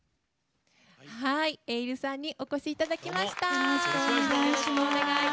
ｅｉｌｌさんにお越しいただきました。